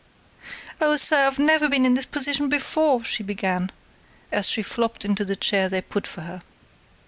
"Oh, sir, I've never been in this position before," she began, as she flopped into the chair they put for her.